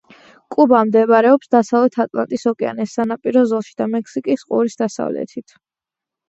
კუბა მდებარეობს დასავლეთ ატლანტის ოკეანეს სანაპირო ზოლში და მექსიკის ყურის დასავლეთით.